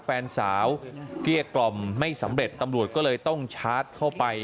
แฟนสาวเกลี้ยกล่อมไม่สำเร็จตำรวจก็เลยต้องชาร์จเข้าไป